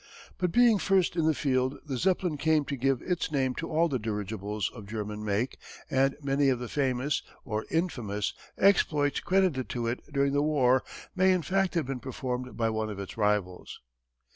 But being first in the field the Zeppelin came to give its name to all the dirigibles of German make and many of the famous or infamous exploits credited to it during the war may in fact have been performed by one of its rivals.